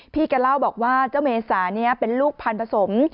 พี่ก็เล่าบอกว่าเจ้าเมษาเป็นลูกพันฑ์ผสม